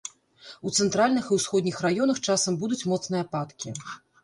У цэнтральных і ўсходніх раёнах часам будуць моцныя ападкі.